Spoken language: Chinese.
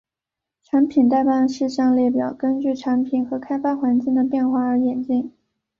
产品待办事项列表根据产品和开发环境的变化而演进。